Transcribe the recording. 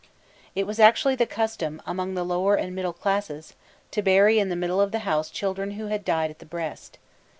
It was actually the custom, among the lower and middle classes, to bury in the middle of the house children who had died at the breast.